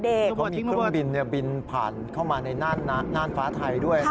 เขามีเครื่องบินบินผ่านเข้ามาในน่านฟ้าไทยด้วย